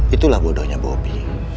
itulah bodohnya bobby